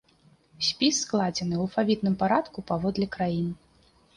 Спіс складзены ў алфавітным парадку паводле краін.